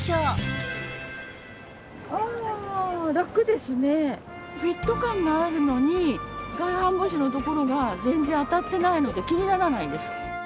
ではフィット感があるのに外反母趾のところが全然当たってないので気にならないです。